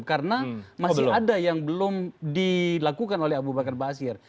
karena masih ada yang belum dilakukan oleh abu bakar ba'asyir